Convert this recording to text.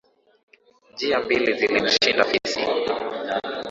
Njia mbili zilimshinda fisi.